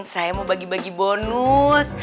saya mau bagi bagi bonus